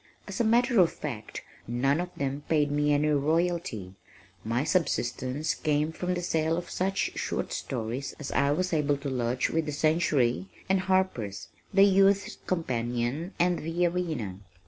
As a matter of fact none of them paid me any royalty, my subsistence came from the sale of such short stories as I was able to lodge with The Century, and Harper's, The Youth's Companion and The Arena.